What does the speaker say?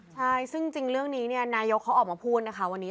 ใช่ซึ่งจริงเรื่องนี้นายกเขาออกมาพูดนะคะวันนี้